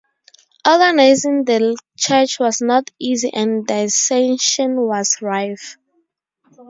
Organizing the church was not easy and dissension was rife.